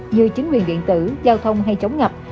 như chính quyền điện tử giao thông hay chống ngập